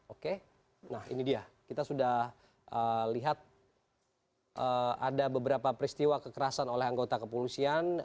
oke nah ini dia kita sudah lihat ada beberapa peristiwa kekerasan oleh anggota kepolisian